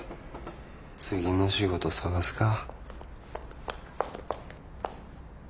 次の仕事探すか。